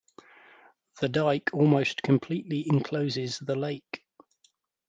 The dike almost completely encloses the lake.